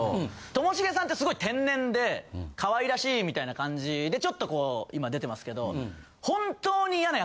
ともしげさんってすごい天然で可愛らしいみたいな感じでちょっとこう今出てますけど。